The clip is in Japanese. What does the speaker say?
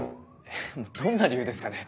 どんな理由ですかね？